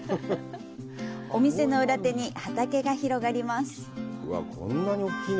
お店の裏手に畑が広がります。